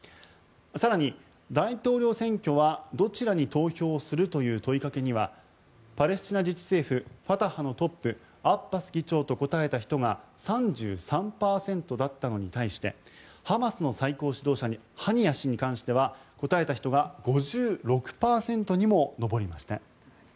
更に、大統領選挙はどちらに投票する？という問いかけにはパレスチナ自治政府ファタハのトップアッバス議長と答えた人が３３％だったのに対してハマスの最高指導者のハニヤ氏と答えた人は５６％にも上りました。